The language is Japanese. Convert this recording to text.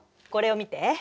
これを見て。